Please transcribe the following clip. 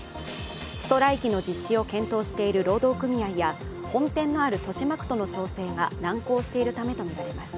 ストライキの実施を検討している労働組合や本店のある豊島区との調整が難航しているためとみられます。